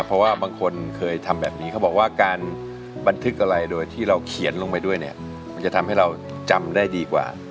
ใช่นะครับเพราะว่าบางคนเคยทำแบบนี้